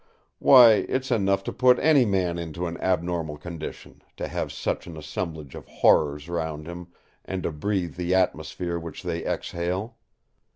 Why, it's enough to put any man into an abnormal condition, to have such an assemblage of horrors round him, and to breathe the atmosphere which they exhale.